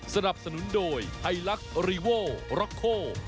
สนับสนุนโดยไทน์ลักษณ์รีโว้ล๊อคโฮ